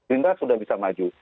rindra sudah bisa maju